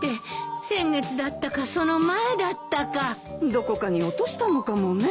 どこかに落としたのかもね。